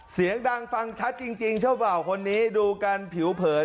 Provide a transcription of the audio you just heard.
เสียงดังฟังชัดจริงเจ้าบ่าวคนนี้ดูกันผิวเผิน